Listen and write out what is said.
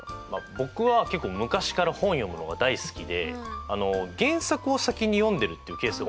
僕は結構昔から本読むのが大好きで原作を先に読んでるっていうケースが多いんですよ。